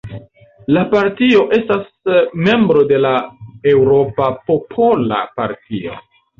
La partio estas membro de la Eŭropa Popola Partio.